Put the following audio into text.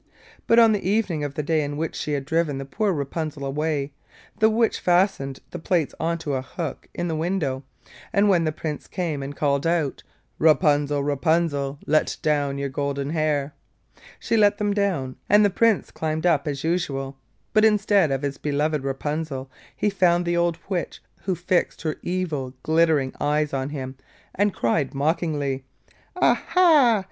But on the evening of the day in which she had driven poor Rapunzel away, the Witch fastened the plaits on to a hook in the window, and when the Prince came and called out: 'Rapunzel, Rapunzel, Let down your golden hair,' she let them down, and the Prince climbed up as usual, but instead of his beloved Rapunzel he found the old Witch, who fixed her evil, glittering eyes on him, and cried mockingly: 'Ah, ah!